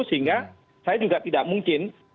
sehingga saya juga tidak mungkin